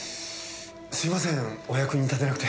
すいませんお役に立てなくて。